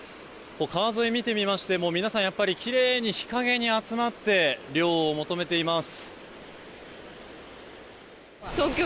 川沿いを見てみましても皆さん、きれいに日陰に集まって涼を求めています。